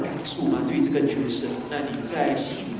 ไม่เป็นไรอยู่หลังคำคม